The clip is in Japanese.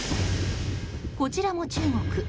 こちらも中国。